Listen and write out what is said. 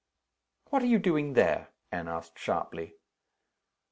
"What are you doing there?" Anne asked, sharply.